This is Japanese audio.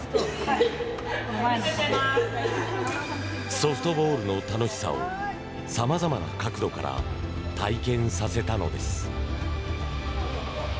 ソフトボールの楽しさをさまざまな角度から体験させたのです。